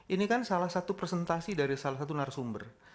ini kan salah satu presentasi dari salah satu narasumber